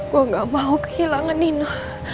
gue gak mau kehilangan nino